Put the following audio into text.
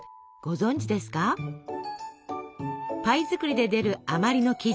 パイ作りで出る余りの生地。